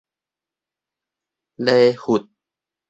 禮佛